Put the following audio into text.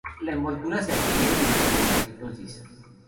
La envoltura se adquiere durante la exocitosis.